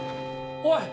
おい！